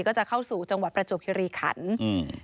ก็จะเข้าสู่จังหวัดประจวบคิริขันอืม